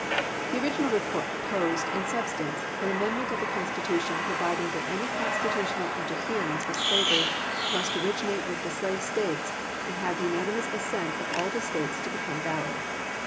The original report proposed, in substance, an amendment of the Con stitution providing that any constitutional inter ference with slavery must originate with the slave States, and have the unanimous assent of all the States to become valid.